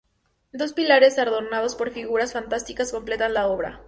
Dos pilares adornados por figuras fantásticas completan la obra.